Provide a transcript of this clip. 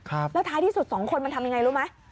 แล้วท้ายที่สุดสองคนมันทำยังไงรู้ไหม